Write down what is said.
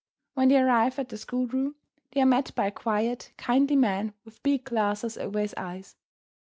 When they arrive at their schoolroom, they are met by a quiet, kindly man with big glasses over his eyes.